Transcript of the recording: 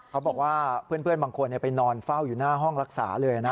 เขาบอกว่าเพื่อนบางคนไปนอนเฝ้าอยู่หน้าห้องรักษาเลยนะ